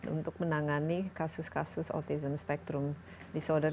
untuk menangani kasus kasus autism spektrum disorder